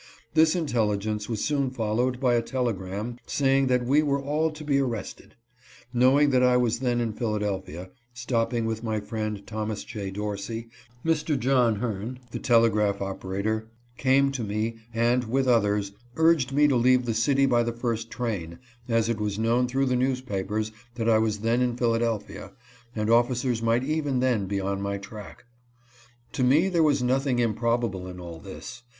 This intelligence was soon followed by a telegram saying that we were all to be arrested. Knowing that I was then in Philadelphia, stopping with my friend Thomas J. Dorsey, Mr. John Hern, the telegraph operator, came to SAVES HIS PAPERS. 377 me and, with others, urged me to leave the city by the first train, as it was known through the newspapers that I was then in Philadelphia, and officers might even then be on my track. To me there was nothing improbable in all this.